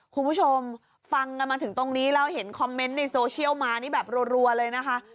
คุณผู้ชมฟังกันมาถึงตรงนี้แล้วเห็นคอมเมนต์ในโซเชียลมานี่แบบรัวเลยนะคะ